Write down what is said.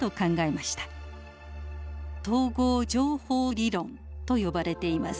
統合情報理論と呼ばれています。